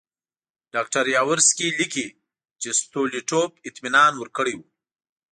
ډاکټر یاورسکي لیکي چې ستولیټوف اطمینان ورکړی وو.